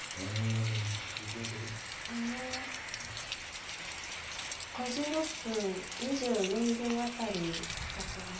あの５６分２４秒辺りだと思います。